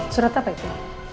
surat apa itu